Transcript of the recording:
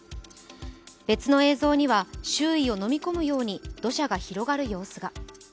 別の映像には周囲をのみ込むように土砂が広がる様子が。